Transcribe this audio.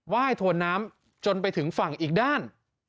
ยถวนน้ำจนไปถึงฝั่งอีกด้าน